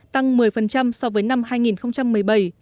tăng một mươi so với năm hai nghìn một mươi bảy